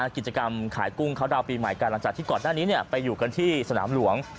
กิจกรรมขายกุ้งเขาดาวนปีใหม่กันหลังจากที่ก่อนหน้านี้ไปอยู่กันที่สนามหลวง